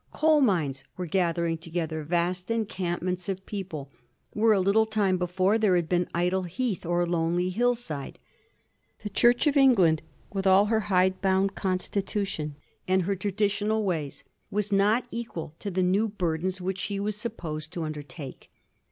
Coal mines were gather ing together vast encampments of people where a little time before there had been idle heath or lonely hill side. The Church of England, with her then hide bound consti tution and her traditional ways, was not equal to the new burdens which she was supposed to undertake.